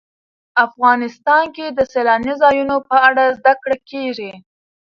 افغانستان کې د سیلاني ځایونو په اړه زده کړه کېږي.